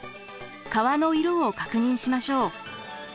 川の色を確認しましょう。